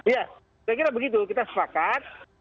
ya saya kira begitu kita sepakat